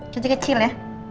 caca kecil ya